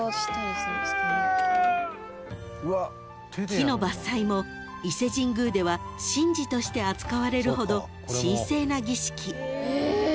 ［木の伐採も伊勢神宮では神事として扱われるほど神聖な儀式］